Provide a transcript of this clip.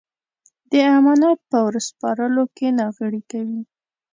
د امانت په ور سپارلو کې ناغېړي کوي.